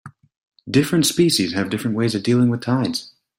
Different species have different ways of dealing with tides.